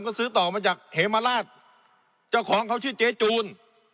ก็ซื้อต่อมาจากเหมราชเจ้าของเขาชื่อเจ๊จูน